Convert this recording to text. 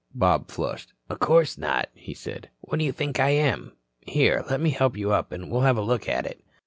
Bob flushed. "Of course not," he said. "What do you think I am? Here, let me help you up and we'll have a look at it."